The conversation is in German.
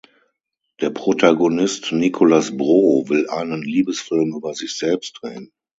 Der Protagonist Nicolas Bro will einen Liebesfilm über sich selbst drehen.